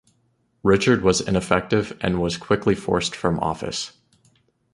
Richard was ineffective, and was quickly forced from office.